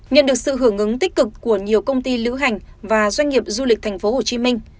nhận được sự hưởng ứng tích cực của nhiều công ty lữ hành và doanh nghiệp du lịch tp hcm